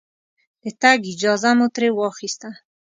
د تګ اجازه مو ترې واخسته.